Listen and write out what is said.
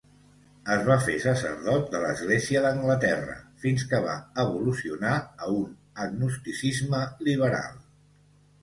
Es va fer sacerdot de l'Església d'Anglaterra fins que va evolucionar a un agnosticisme liberal.